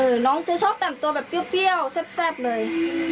น้องจะชอบแต่งตัวแบบเปรี้ยวแซ่บเลย